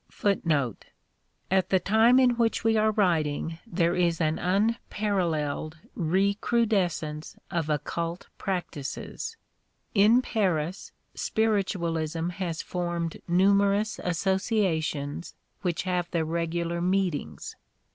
* Are these things new? No; mankind has * At the time in which we are writing there is an unpar alleled recrudescence of occult practices. In Paris, Spiritu alism has formed numerous associations, which have their regular meetings.